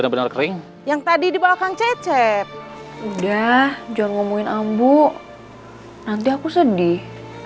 bu nanti aku sedih